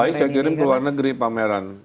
terbaik saya kira di luar negeri pameran